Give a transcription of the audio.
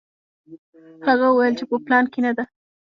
هغه وویل چې په پلان کې نه ده.